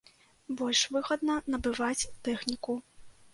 Больш выгадна набываць тэхніку.